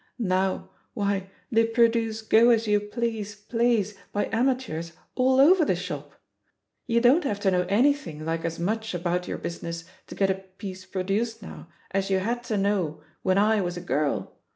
Now, why, they produce go as you please plays by amateurs all over the shop 1 You don't have to know anything like as much about your business, to get a piece produced now, as you had to know when I was a girl.